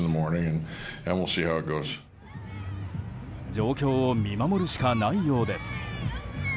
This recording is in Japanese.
状況を見守るしかないようです。